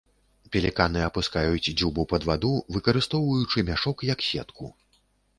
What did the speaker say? Пеліканы апускаюць дзюбу пад ваду, выкарыстоўваючы мяшок як сетку.